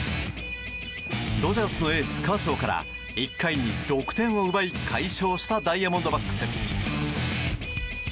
ドジャーズのエースカーショーから１回に６点を奪い快勝したダイヤモンドバックス。